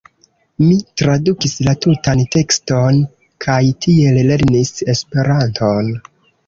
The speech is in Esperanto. Mi tradukis la tutan tekston kaj tiel lernis Esperanton.